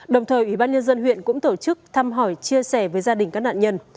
đồng thời ủy ban nhân dân huyện cũng tổ chức thăm hỏi chia sẻ với gia đình các nạn nhân